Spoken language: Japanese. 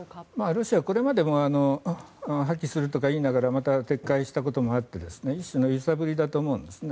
ロシアはこれまでも破棄するとか言いながらまた撤回したこともあって一種の揺さぶりだと思うんですね。